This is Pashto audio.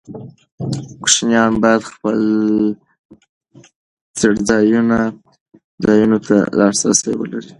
کوچیان باید خپل څړځایونو ته لاسرسی ولري.